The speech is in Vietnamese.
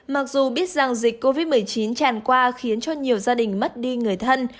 mặc dù biết rằng dịch covid một mươi chín tràn qua khiến cho nhiều gia đình mất đi người thân